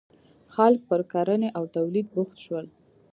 • خلک پر کرنې او تولید بوخت شول.